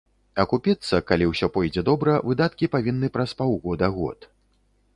Акупіцца, калі ўсё пойдзе добра, выдаткі павінны праз паўгода-год.